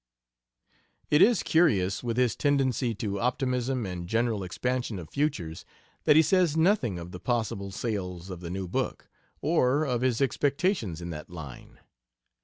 It is curious, with his tendency to optimism and general expansion of futures, that he says nothing of the possible sales of the new book, or of his expectations in that line.